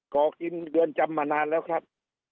ก่อกินเรือนจำมานานแล้วครับ